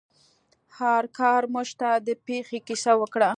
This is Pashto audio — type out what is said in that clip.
هارکر موږ ته د پیښې کیسه وکړه.